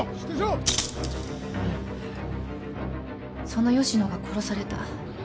その吉野が殺された。